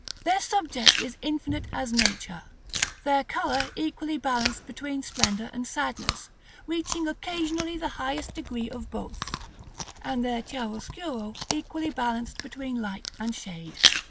Their subject is infinite as nature, their color equally balanced between splendor and sadness, reaching occasionally the highest degrees of both, and their chiaroscuro equally balanced between light and shade.